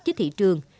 với thị trường